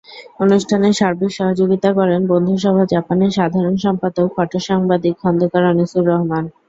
অনুষ্ঠানে সার্বিক সহযোগিতা করেন বন্ধুসভা জাপানের সাধারণ সম্পাদক ফটোসাংবাদিক খন্দকার আনিসুর রহমান।